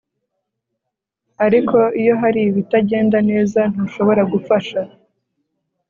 ariko iyo hari ibitagenda neza, ntushobora gufasha